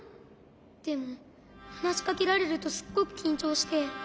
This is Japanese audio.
でもはなしかけられるとすっごくきんちょうして。